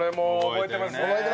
覚えてます。